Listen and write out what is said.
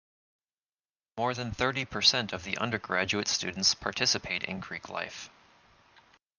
More than thirty percent of the undergraduate students participate in Greek Life.